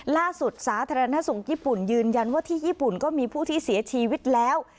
สาธารณสุขญี่ปุ่นยืนยันว่าที่ญี่ปุ่นก็มีผู้ที่เสียชีวิตแล้ว